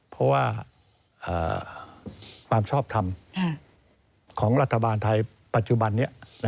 เพราะว่าความชอบทำของรัฐบาลไทยปัจจุบันนี้